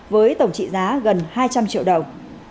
với tổng trị giá gần hai trăm linh triệu đồng